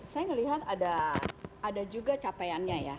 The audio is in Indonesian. saya melihat ada juga capaiannya ya